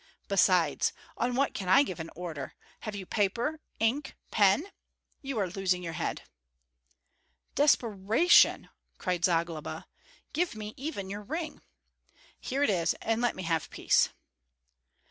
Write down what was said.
Besides, on what can I give an order; have you paper, ink, pen? You are losing your head." "Desperation!" cried Zagloba; "give me even your ring." "Here it is, and let me have peace!"